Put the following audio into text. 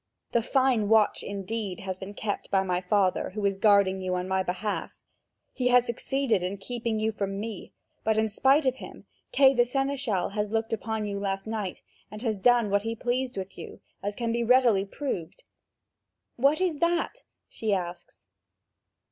A fine watch, indeed, has been kept by my father, who is guarding you on my behalf! He has succeeded in keeping you from me, but, in spite of him, Kay the seneschal has looked upon you last night, and has done what he pleased with you, as can readily be proved." "What is that?" she asks.